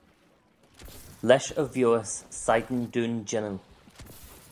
Lesh y vioys shegin dooin jannoo